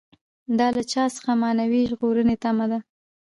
دا له چا څخه معنوي ژغورنې تمه ده.